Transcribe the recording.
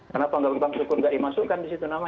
kenapa bang sukur tidak dimasukkan di situ nama